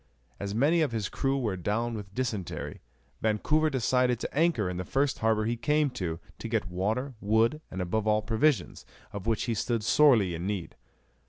As many of his crew were down with dysentery, Vancouver decided to anchor in the first harbour he came to, to get water, wood, and above all provisions, of which he stood sorely in need.